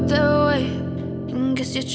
kalau masih not tahu